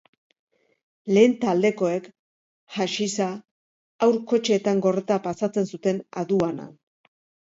Lehen taldekoek, haxixa haur-kotxeetan gordeta pasatzen zuten aduanan.